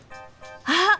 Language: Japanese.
あっ！